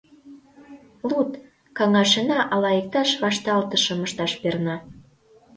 — Луд, каҥашена, ала иктаж вашталтышым ышташ перна...